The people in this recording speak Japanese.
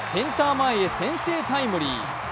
前へ先制タイムリー。